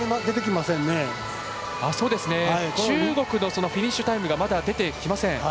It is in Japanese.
まだ中国のフィニッシュタイムが出てきません。